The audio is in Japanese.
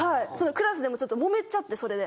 クラスでもちょっと揉めちゃってそれで。